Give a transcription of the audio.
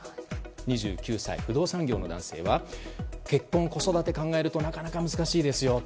２９歳、不動産業の男性は結婚、子育てを考えるとなかなか難しいですよと。